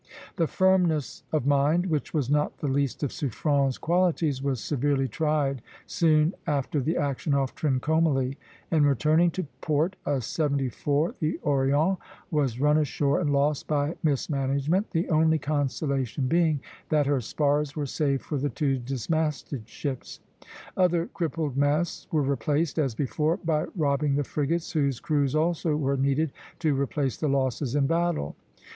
That firmness of mind which was not the least of Suffren's qualities was severely tried soon after the action off Trincomalee. In returning to port, a seventy four, the "Orient," was run ashore and lost by mismanagement, the only consolation being that her spars were saved for the two dismasted ships. Other crippled masts were replaced as before by robbing the frigates, whose crews also were needed to replace the losses in battle.